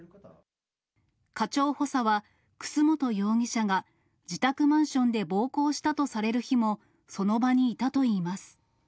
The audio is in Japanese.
課長補佐は、楠本容疑者が自宅マンションで暴行したとされる日も、その場にいたといいます。